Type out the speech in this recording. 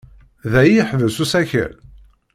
Da ay iḥebbes usakal?